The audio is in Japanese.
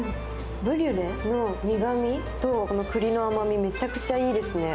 ブリュレ、苦みとくりの甘み、めちゃくちゃいいですね。